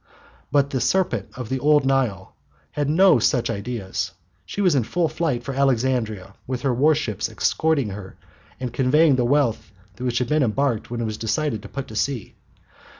But the "serpent of old Nile" had no such ideas. She was in full flight for Alexandria, with her warships escorting her and conveying the wealth that had been embarked when it was decided to put to sea.